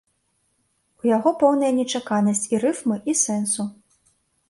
У яго поўная нечаканасць і рыфмы, і сэнсу.